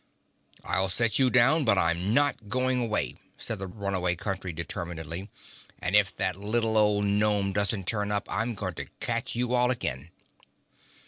"I'll set you down, but I'm not going away," said the Runaway Country determinedly, "for if that little old gnome doesn't turn up I'm going to catch you all again."